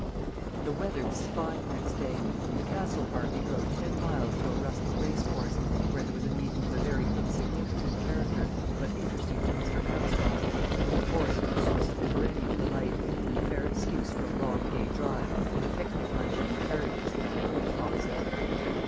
The weather was fine next day, and the Castle party drove ten miles to a rustic racecourse, where there was a meeting of a very insignificant character, but interesting to Mr. Armstrong, to whom a horse was a source of perennial delight, and a fair excuse for a long gay drive, and a picnic luncheon in carriages and on coach boxes.